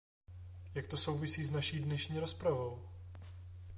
Jak to souvisí s naší dnešní rozpravou?